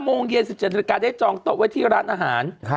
โมงเย็น๑๗นาฬิกาได้จองโต๊ะไว้ที่ร้านอาหาร